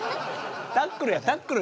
タックルやタックル。